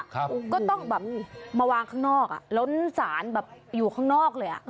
ก็ต้องแบบมาวางข้างนอกอ่ะล้นสารแบบอยู่ข้างนอกเลยอ่ะ